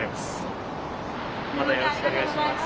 よろしくお願いします。